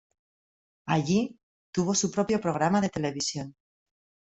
Allí, tuvo su propio programa de televisión.